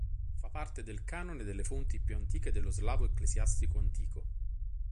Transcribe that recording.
Fa parte del canone delle fonti più antiche dello slavo ecclesiastico antico.